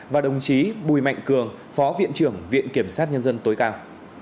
và đồng chí bùi mạnh cường phó viện trưởng viện kiểm sát nhân dân tối cao